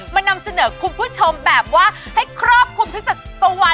มานำเสนอคุณผู้ชมแบบว่าให้ครอบคุมทุกจะตะวัน